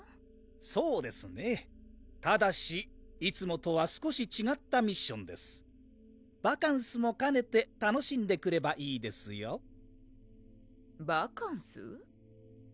そうですねただしいつもとは少しちがったミッションですバカンスもかねて楽しんでくればいいですよバカンス？